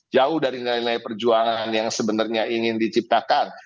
jauh dari nilai nilai perjuangan yang sebenarnya ingin diciptakan